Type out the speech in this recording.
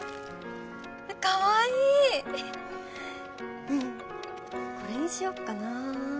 かわいいうんこれにしよっかなぁ